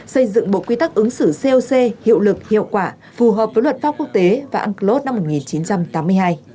xây dựng bộ quy tắc ứng xử coc hiệu lực hiệu quả phù hợp với luật pháp quốc tế và unclos năm một nghìn chín trăm tám mươi hai